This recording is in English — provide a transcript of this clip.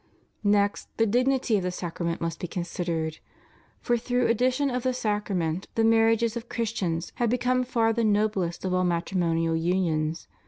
Next, the dignity of the sacrament must be considered ; for through addition of the sacrament the marriages of Christians have become far the noblest of all matrimonial unions.